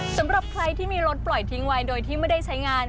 สำหรับใครที่มีรถปล่อยทิ้งไว้โดยที่ไม่ได้ใช้งาน